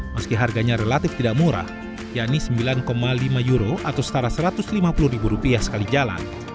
meski harganya relatif tidak murah yakni sembilan lima euro atau setara satu ratus lima puluh ribu rupiah sekali jalan